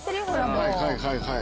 はいはいはいはい。